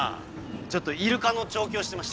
ちょっとイルカの調教してまして。